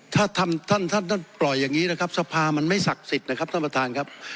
ถ้าท่านท่านปล่อยอย่างนี้นะครับสภามันไม่ศักดิ์สิทธิ์นะครับท่านประธานครับ